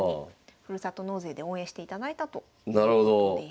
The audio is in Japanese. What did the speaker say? ふるさと納税で応援していただいたということです。